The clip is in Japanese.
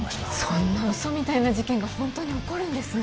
そんなウソみたいな事件が本当に起こるんですね